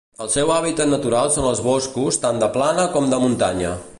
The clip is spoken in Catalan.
El seu hàbitat natural són els boscos tant de plana com de muntanya.